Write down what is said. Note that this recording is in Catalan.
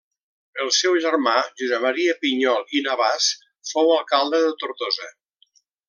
El seu germà, Josep Maria Pinyol i Navàs, fou alcalde de Tortosa.